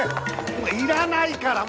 いらないから！